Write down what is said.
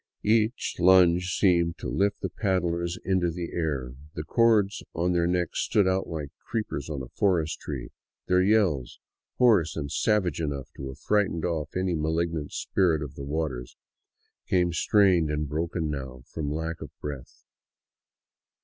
Every lunge seemed to lift the paddlers into the air ; the cords on their necks stood out like creepers on a forest tree; their yells, hoarse and savage enough to have frightened off any malignant spirit of the waters, came strained and broken now, from lack of breath.